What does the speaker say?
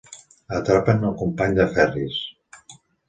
Atrapen al company de Ferris.